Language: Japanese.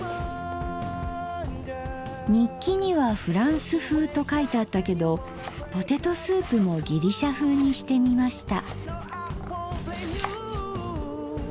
日記には「ふらんすふう」と書いてあったけどポテトスープもギリシャふうにしてみました。